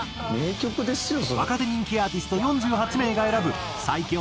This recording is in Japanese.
若手人気アーティスト４８名が選ぶ最強